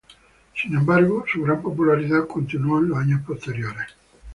Sin embargo, su gran popularidad continuó en los años posteriores.